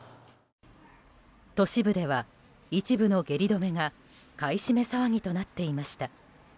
都市部では一部の下痢止めが買い占め騒ぎとなっていました。